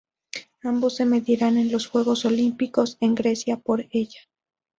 Ambos se medirán en los Juegos Olímpicos en Grecia por ella.